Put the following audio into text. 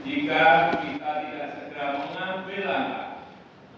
jika kita tidak sedang mengambil langkah